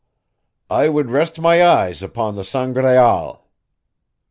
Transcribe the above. "I would rest my eyes upon the Sangraal."